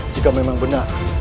jika memang benar